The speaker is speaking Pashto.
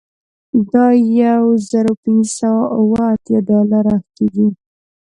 دا یو زر پنځه سوه اوه اتیا ډالره کیږي